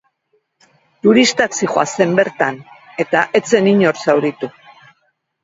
Turistak zihoazen bertan, eta ez zen inor zauritu.